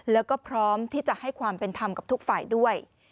แล้วก็พร้อมที่จะให้ความเป็นธรรมกับทุกฝ่ายด้วย